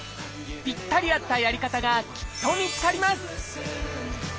ぴったり合ったやり方がきっと見つかります！